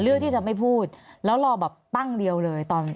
เลือกที่จะไม่พูดแล้วรอแบบปั้งเดียวเลยตอน